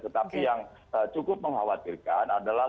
tetapi yang cukup mengkhawatirkan adalah